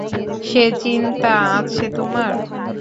সে চিন্তা আছে তোমার?